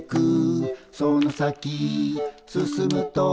「その先進むと」